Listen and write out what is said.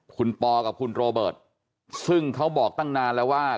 คุณปอกับคุณโรเบิร์ตซึ่งเขาบอกตั้งนานแล้วว่า